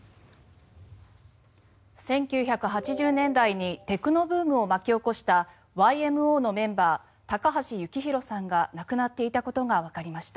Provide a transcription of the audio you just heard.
１９８０年代にテクノブームを巻き起こしたＹＭＯのメンバー高橋幸宏さんが亡くなっていたことがわかりました。